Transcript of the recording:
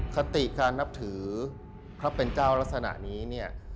คติการนับถือพระเป็นเจ้าลักษณะนี้เนี่ย